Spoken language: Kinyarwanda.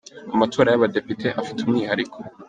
Amatora y’abadepite afite umwihariko